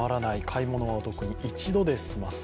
買い物はお得に一度で済ます。